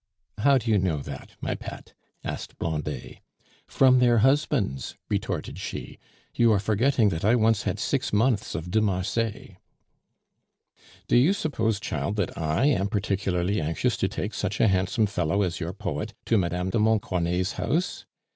"How do you know that, my pet?" asked Blondet. "From their husbands," retorted she. "You are forgetting that I once had six months of de Marsay." "Do you suppose, child, that I am particularly anxious to take such a handsome fellow as your poet to Mme. de Montcornet's house?